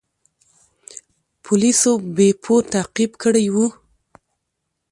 پولیسو بیپو تعقیب کړی و.